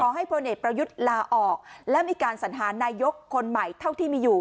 ให้พลเอกประยุทธ์ลาออกและมีการสัญหานายกคนใหม่เท่าที่มีอยู่